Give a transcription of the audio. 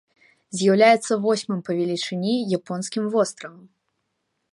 З'яўляецца восьмым па велічыні японскім востравам.